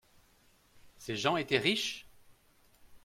Ces gens étaient riches ?